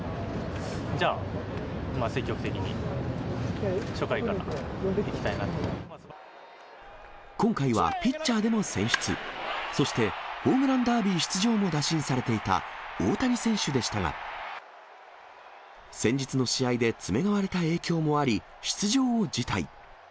じゃあ、積極的に、今回はピッチャーでも選出、そして、ホームランダービー出場も打診されていた大谷選手でしたが、先日の試合で爪が割れた影響もあり、出場を辞退。